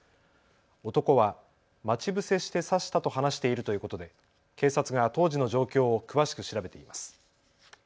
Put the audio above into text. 男は待ち伏せして刺したと話しているということで警察が当時の状況を詳しく調べています。